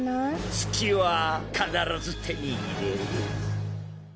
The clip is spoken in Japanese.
月は必ず手に入れる。